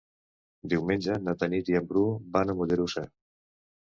Diumenge na Tanit i en Bru van a Mollerussa.